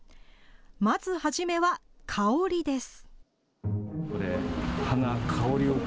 まず初めは香りです。